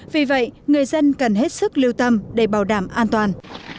vì vậy người dân cần hết sức lưu tâm để bảo đảm an toàn